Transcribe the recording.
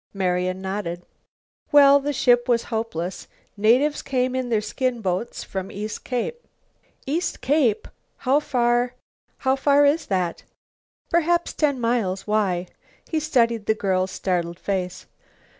Marian nodded. "Well, the ship was hopeless. Natives came in their skin boats from East Cape." "East Cape? How far how far is that?" "Perhaps ten miles. Why?" He studied the girl's startled face.